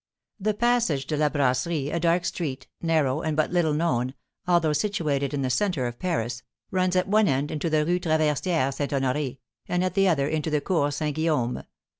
The Passage de la Brasserie, a dark street, narrow, and but little known, although situated in the centre of Paris, runs at one end into the Rue Traversière St. Honoré, and at the other into the Cour St. Guillaume.